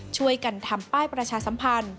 ช่วยกันทำป้ายประชาสัมพันธ์